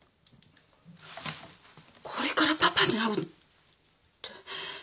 これからパパに会うって！？